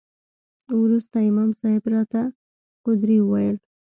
وروسته امام صاحب راته قدوري وويل.